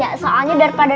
eh soalnya daripada